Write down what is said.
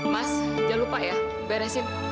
mas jangan lupa ya beresin